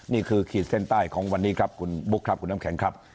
ขีดเส้นใต้ของวันนี้ครับคุณบุ๊คครับคุณน้ำแข็งครับ